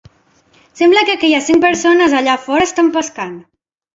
Sembla que aquelles cinc persones allà fora estan pescant.